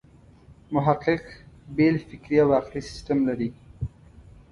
محقق بېل فکري او عقلي سیسټم لري.